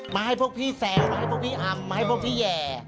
มาให้พวกพี่แซวมาให้พวกพี่อำมาให้พวกพี่แห่